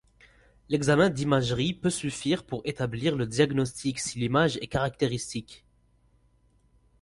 L'examen d'imagerie peut suffire pour établir le diagnostic si l'image est caractéristique.